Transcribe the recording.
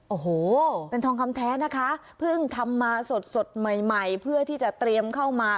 โอ้โหเป็นทองคำแท้นะคะเพิ่งทำมาสดสดใหม่ใหม่เพื่อที่จะเตรียมเข้ามา